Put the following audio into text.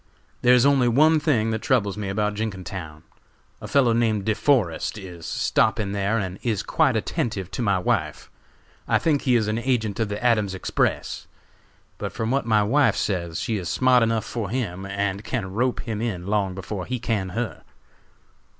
There is only one thing that troubles me about Jenkintown: A fellow named De Forest is stopping there and is quite attentive to my wife. I think he is an agent of the Adams Express; but from what my wife says, she is smart enough for him and can rope him in long before he can her.